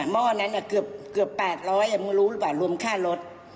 ห้อนั้นเกือบ๘๐๐มึงรู้หรือเปล่ารวมค่ารถ